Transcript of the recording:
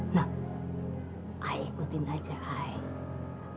nah aikutin aja aik